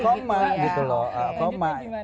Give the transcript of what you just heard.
komak gitu loh